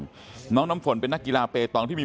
คุณยายบอกว่ารู้สึกเหมือนใครมายืนอยู่ข้างหลัง